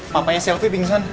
papanya selfie bingungan